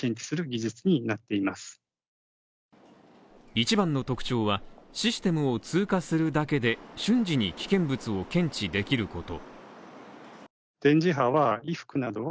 一番の特徴は、システムを通過するだけで瞬時に危険物を検知できること。